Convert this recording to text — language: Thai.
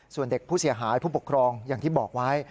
ส่วนเด็กผู้เสียหายผู้ปกครองอย่างที่บอกไว้